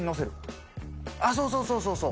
そうそうそうそうそう！